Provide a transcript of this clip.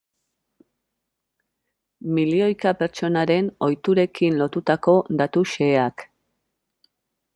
Milioika pertsonaren ohiturekin lotutako datu xeheak.